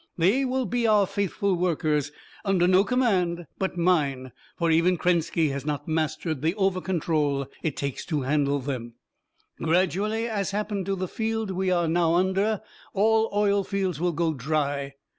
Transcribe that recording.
"They will be our faithful workers, under no command but mine. For, even Krenski has not mastered the over control it takes to handle them! "Gradually, as happened to the field we are now under, all oil fields will go dry.